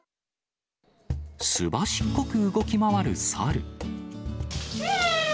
すばしっこく動き回るサル。